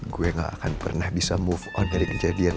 gue gak akan pernah bisa move on dari kejadian